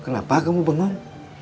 kenapa kamu bengong